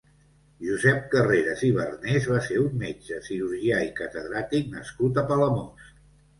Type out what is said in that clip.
Josep Carreras i Barnés va ser un metge, cirurgià i catedràtic nascut a Palamós.